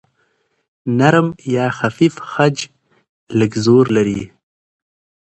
نرم یا خفیف خج لږ زور لري.